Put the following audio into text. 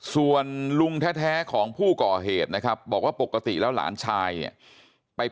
ส่วนลุงแท้ของผู้ก่อเหตุนะครับบอกว่าปกติแล้วหลานชายเนี่ยไป